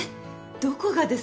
どこがですか？